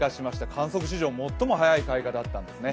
観測史上最も早い開花だったんですね。